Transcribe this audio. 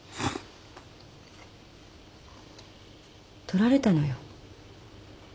取られたのよ。